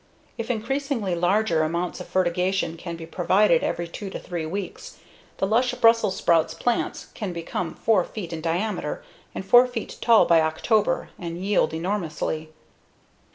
If increasingly larger amounts of fertigation can be provided every two to three weeks, the lush Brussels sprouts plants can become 4 feet in diameter and 4 feet tall by October and yield enormously.